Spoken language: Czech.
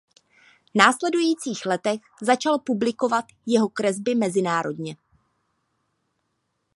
Následujících letech začal publikovat jeho kresby mezinárodně.